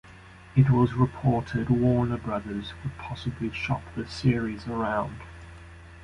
It was reported Warner Brothers would possibly shop the series around.